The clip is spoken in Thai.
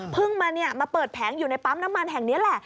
มาเปิดแผงอยู่ในปั๊มน้ำมันแห่งนี้แหละ